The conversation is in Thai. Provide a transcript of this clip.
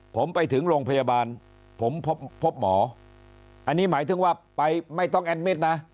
ผมไปถึงโรงพยาบาลผมพบหมออันนี้หมายถึงว่าไปไม่ต้องแอนดิตนะ